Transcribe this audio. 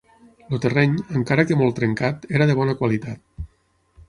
El terreny, encara que molt trencat, era de bona qualitat.